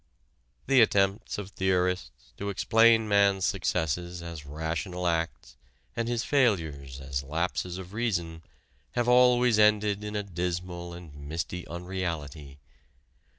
The attempts of theorists to explain man's successes as rational acts and his failures as lapses of reason have always ended in a dismal and misty unreality.